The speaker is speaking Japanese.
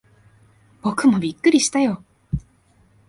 僕もびっくりしたよ。